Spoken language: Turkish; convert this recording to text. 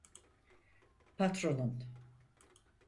Patronun.